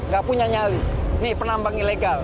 gak punya nyali ini penambang ilegal